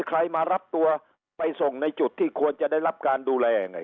ใครมารับตัวไปส่งในจุดที่ควรจะได้รับการดูแลยังไง